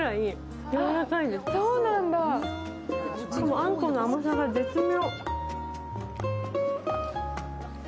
あんこの甘さが絶妙。